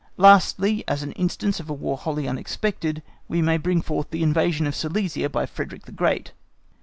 Lastly, as an instance of a War wholly unexpected, we may bring forward the invasion of Silesia by Frederick the Great.